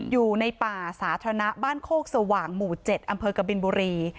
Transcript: อยู่ในป่าสาธารณะบ้านโคกสว่างหมู่๗อำเภอกบินบุรี